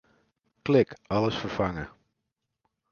Klik Alles ferfange.